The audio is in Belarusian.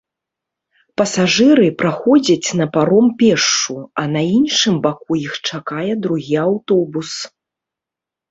Пасажыры праходзяць на паром пешшу, а на іншым баку іх чакае другі аўтобус.